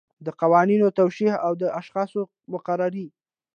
د قوانینو توشیح او د اشخاصو مقرري.